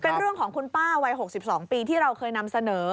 เรื่องของคุณป้าวัย๖๒ปีที่เราเคยนำเสนอ